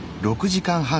６時間半。